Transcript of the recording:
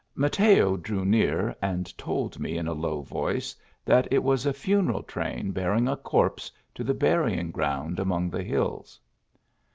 Mateo drew near and told me in a low voice, that it was a funeral train bearing a corpse to the burying ground among the hills.